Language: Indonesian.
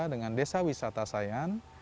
dengan desa wisata sayan